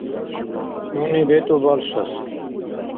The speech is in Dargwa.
Нуни бетӀу балшас.